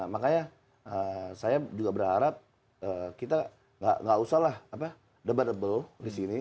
makanya saya juga berharap kita nggak usah lah debatable di sini